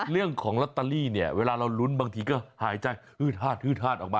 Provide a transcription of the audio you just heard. เรื่องของลอตเตอรี่เนี่ยเวลาเราลุ้นบางทีก็หายใจฮืดฮาดฮืดฮาดออกมา